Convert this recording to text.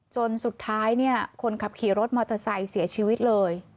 จนสุดท้ายเนี่ยคนขับขี่รถมอเตอร์ไซค์เสียชีวิตเลย